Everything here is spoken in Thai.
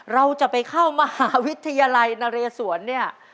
เราจะไปเข้ามหาวิทยาลัยนเรศวรเนี่ย